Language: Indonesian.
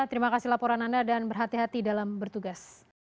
terima kasih laporan anda dan berhati hati dalam bertugas